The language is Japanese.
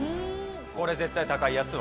これ絶対高いやつ。